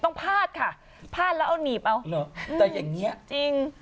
ต้องพาดค่ะพาดแล้วเอานีบเอาแต่อย่างเงี้ยจริง